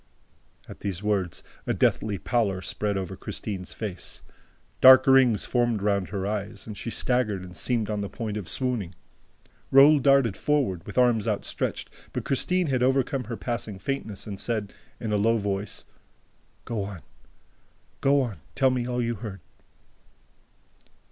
'" At these words, a deathly pallor spread over Christine's face, dark rings formed round her eyes, she staggered and seemed on the point of swooning. Raoul darted forward, with arms outstretched, but Christine had overcome her passing faintness and said, in a low voice: "Go on! Go on! Tell me all you heard!"